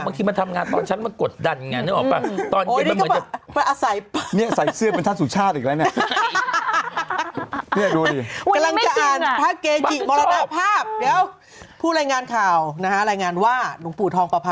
พอต้องแม่ฉันก็เจอวิทยาคอนแบบนี้